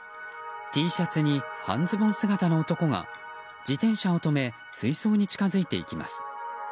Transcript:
Ｔシャツに半ズボン姿の男が自転車を止め水槽に近づいていきます。